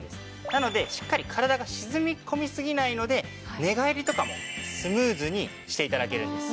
なのでしっかり体が沈み込みすぎないので寝返りとかもスムーズにして頂けるんです。